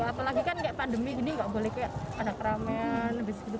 apalagi kan pandemi gini gak boleh kayak anak raman lebih segitu